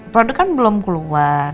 produk kan belum keluar